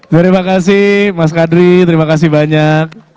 terima kasih mas kadri terima kasih banyak